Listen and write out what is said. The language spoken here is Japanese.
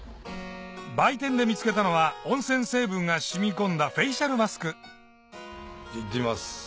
売店で見つけたのは温泉成分が染み込んだフェイシャルマスクいってみます。